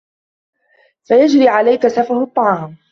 فَيَجْرِي عَلَيْك سَفَهُ الطَّعَامِ